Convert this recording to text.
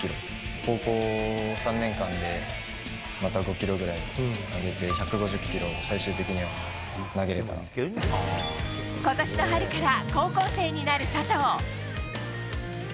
高校３年間でまた５キロぐらい上げて、１５０キロ、最終的には投ことしの春から高校生になる佐藤。